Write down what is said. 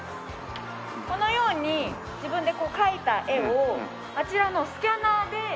このように自分で描いた絵をあちらのスキャナーで。